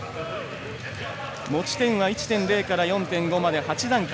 持ち点は１．０から４．５まで８段階。